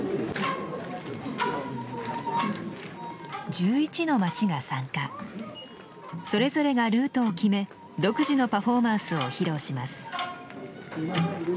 １１の町が参加それぞれがルートを決め独自のパフォーマンスを披露します。